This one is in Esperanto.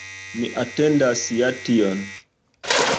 Mi atendas ja tion.